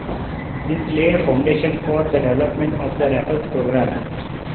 This laid the foundation for the development of the Raffles Programme.